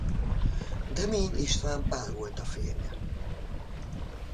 Demény István Pál volt a férje.